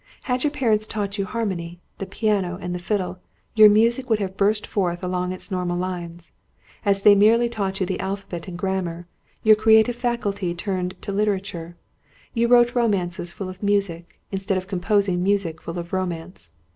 Had your parents taught you harmony, the piano, and the fiddle, your music would have burst forth along its normal lines. As they merely taught you the alphabet and grammar, your creative faculty turned to literature; you wrote romances full of music, instead of composing music full of romance.